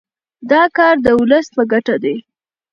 دا کار د ولس په ګټه دی.